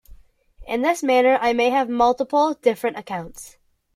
In this manner I may have multiple, different accounts.